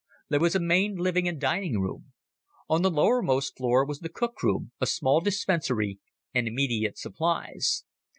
There was a main living and dining room. On the lowermost floor was the cookroom, a small dispensary, and immediate supplies.